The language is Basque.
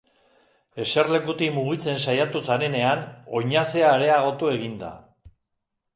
Eserlekutik mugitzen saiatu zarenean, oinazea areagotu egin da.